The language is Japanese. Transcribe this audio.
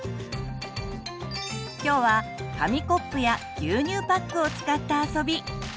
今日は紙コップや牛乳パックを使った遊び。